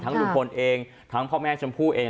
ลุงพลเองทั้งพ่อแม่ชมพู่เอง